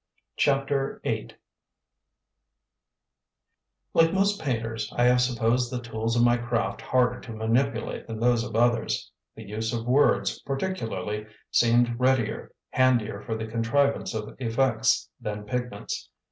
CHAPTER VIII Like most painters, I have supposed the tools of my craft harder to manipulate than those of others. The use of words, particularly, seemed readier, handier for the contrivance of effects than pigments.